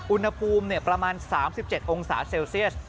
อุณหภูมิประมาณ๓๗องศาเซลเซียส